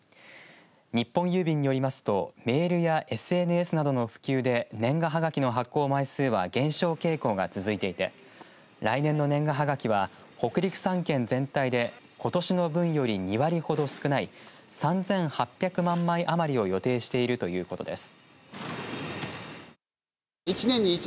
日本郵便によりますとメールやＳＮＳなどの普及で年賀はがきの発行枚数は減少傾向が続いていて来年の年賀はがきは北陸３県全体で、ことしの分より２割ほど少ない３８００万枚余りを予定しているということです。